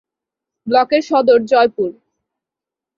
ব্লকের সদর জয়পুর।